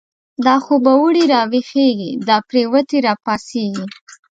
دا خوب وړی راويښږی، دا پريوتی را پا څيږی